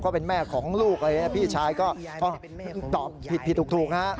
ก็เป็นแม่ของลูกพี่ชายก็ตอบผิดผิดถูกฮะ